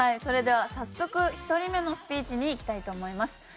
それでは早速１人目のスピーチにいきたいと思います。